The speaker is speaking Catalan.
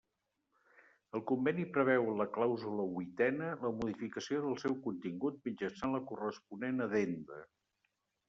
El conveni preveu en la clàusula huitena la modificació del seu contingut mitjançant la corresponent addenda.